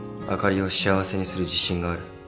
あかりを幸せにする自信がある。